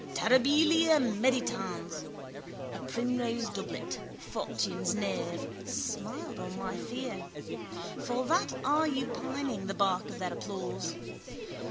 Terribilia meditans. A primrose doublet, fortune's knave, smiled on my fear. For that are you pining, the bark of their applause?